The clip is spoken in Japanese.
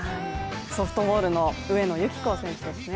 ソフトボールの上野由岐子選手ですね。